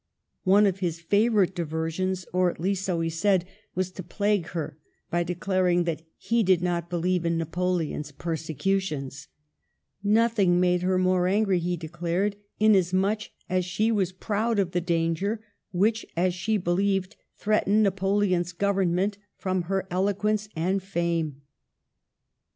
One of his favorite diversions — or, at least, so he said — was to plague her by declaring that he did not believe in Na poleon's " persecutions/' Nothing made her more angry, he declared, inasmuch as she was proud of the danger, which, as she believed, threatened Napoleon's Government from her elo quence and her fame.